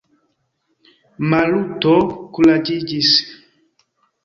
Maluto kuraĝiĝis.